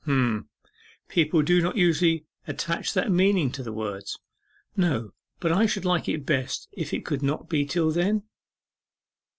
'H'm, people do not usually attach that meaning to the words.' 'No; but I should like it best if it could not be till then?